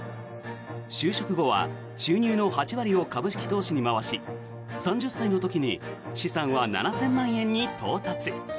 就職後は収入の８割を株式投資に回し３０歳の時に資産は７０００万円に到達。